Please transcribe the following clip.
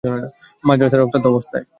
মাঝ রাস্তায় রক্তাক্ত অবস্থায়?